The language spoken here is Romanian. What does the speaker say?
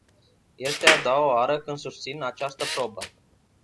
E a doua oară când susțin această probă.